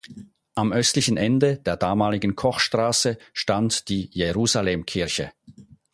Am östlichen Ende der damaligen Kochstraße stand die Jerusalemkirche.